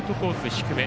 低め。